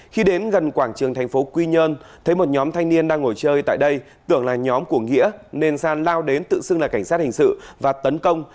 khi đến gần quảng trường thành phố quy nhơn thấy một nhóm thanh niên đang ngồi chơi tại đây tưởng là nhóm của nghĩa nên san lao đến tự xưng là cảnh sát hình sự và tấn công